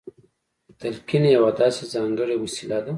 تلقين يوه داسې ځانګړې وسيله ده.